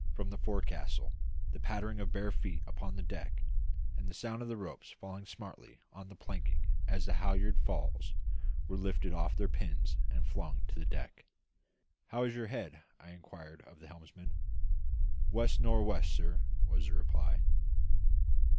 from the forecastle, the pattering of bare feet upon the deck, and the sound of ropes falling smartly on the planking as the halliard falls were lifted off their pins and flung to the deck. "How is her head?" I inquired of the helmsman. "West nor' west, sir," was the reply.